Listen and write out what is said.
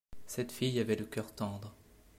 cette fille avait le cœur tendre.